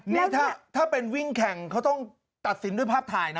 นี่ถ้าเป็นวิ่งแข่งเขาต้องตัดสินด้วยภาพถ่ายนะ